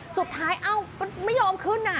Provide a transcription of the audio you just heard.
สุดท้ายไม่ยอมขึ้น